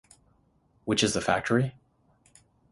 Which is the factory?